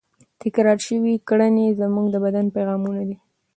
تکرار شوې کړنې زموږ د بدن پیغامونه دي.